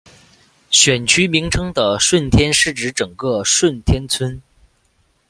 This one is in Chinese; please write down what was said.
选区名称的顺天是指整个顺天邨。